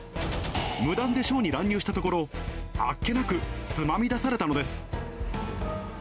無断でショーに乱入したところ、あっけなくつまみ出されたのです。